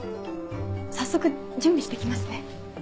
早速準備して来ますね。